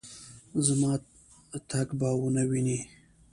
زما تګ به ونه وینې